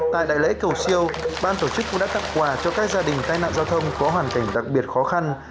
tại đại lễ cầu siêu ban tổ chức cũng đã tặng quà cho các gia đình tai nạn giao thông có hoàn cảnh đặc biệt khó khăn